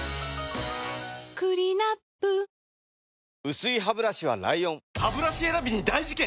薄いハブラシは ＬＩＯＮハブラシ選びに大事件！